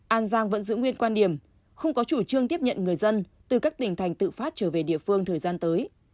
an giang vẫn giữ nguyên quan điểm không có chủ trương tiếp nhận người dân từ các tỉnh thành tự phát trở về địa phương thời gian tới